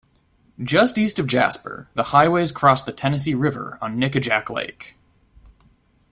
Just east of Jasper, the highways cross the Tennessee River on Nickajack Lake.